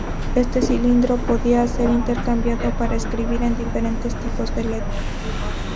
Este cilindro podía ser intercambiado para escribir en diferentes tipos de letra.